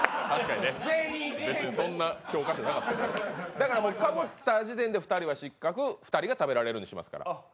だから、もうかぶった時点で失格、２人が食べられるにしますから。